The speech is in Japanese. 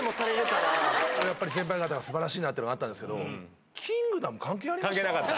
やっぱり先輩方がすばらしいなっていうのはあったんですけど、キングダム関係ありました？